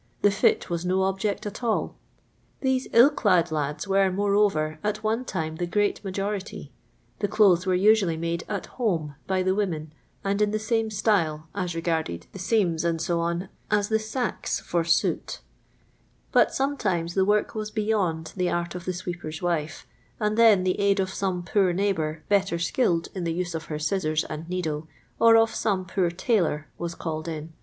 The tit was no object at all. These ill clad lads were, moreover, at one time the great nwjnritr. The clothes were usually made at home" by the women, and in the same style, as regarded the seams, iSic, as the sacks for snot ; but some:tm«i the work was beyond the art of the sweeper's wife, and then the aid of some poor neighbour better skilled in the use of her scissors and needle, or of 8t»me poor tailor, was called in.